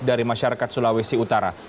dari masyarakat sulawesi utara